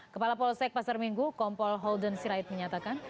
kepala polsek pasar minggu kompol holden sirait menyatakan